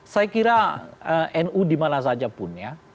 saya kira nu dimana saja pun ya